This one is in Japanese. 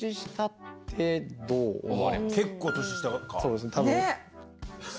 結構年下か。